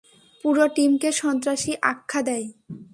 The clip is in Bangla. পুরো টিমকে সন্ত্রাসী আখ্যা দেয়।